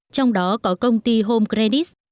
trong đó có công ty home credit